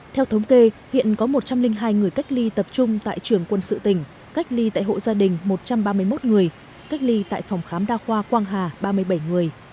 theo thống kê hiện có một trăm linh hai người cách ly tập trung tại trường quân sự tỉnh cách ly tại hộ gia đình một trăm ba mươi một người cách ly tại phòng khám đa khoa quang hà ba mươi bảy người